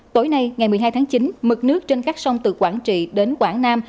tối nay ngày một mươi hai tháng chín mực nước trên các sông từ quảng trị đến quảng nam